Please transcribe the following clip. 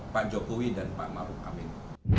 pak jokowi dan pak maruk kamin